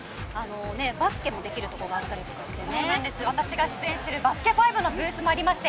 バスケもできるとことがあったりとか私が出演する「バスケ☆ＦＩＶＥ」のブースもありまして